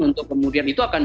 untuk kemudian itu akan